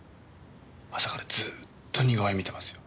朝からずっと似顔絵見てますよ。